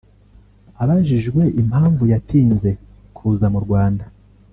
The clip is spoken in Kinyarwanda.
Abajijwe impamvu yatinze kuza mu Rwanda